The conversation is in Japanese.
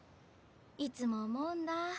いつも思うんだ。